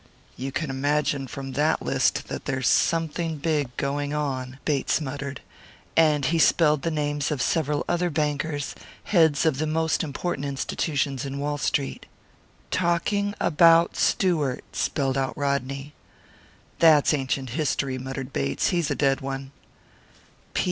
"You can imagine from that list that there's something big going on," Bates muttered; and he spelled the names of several other bankers, heads of the most important institutions in Wall Street. "Talking about Stewart," spelled out Rodney. "That's ancient history," muttered Bates. "He's a dead one."